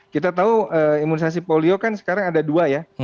kita tahu imunisasi polio kan sekarang ada dua ya